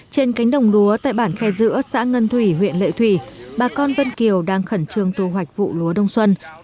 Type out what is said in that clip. trên cánh đồng lúa tại bản khe giữa xã ngân thủy huyện lệ thủy bà con vân kiều đang khẩn trương thu hoạch vụ lúa đông xuân